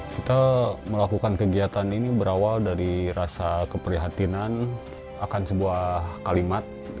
kita melakukan kegiatan ini berawal dari rasa keprihatinan akan sebuah kalimat